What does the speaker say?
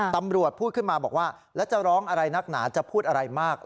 พูดขึ้นมาบอกว่าแล้วจะร้องอะไรนักหนาจะพูดอะไรมาก